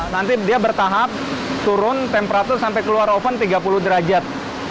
nanti dia bertahap turun temperatur sampai keluar oven tiga puluh derajat